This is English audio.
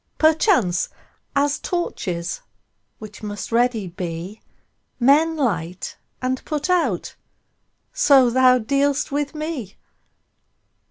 Perchance, as torches, which must ready be, Men light and put out, so thou dealst with me.